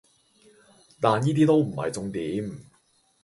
但依啲都唔係重點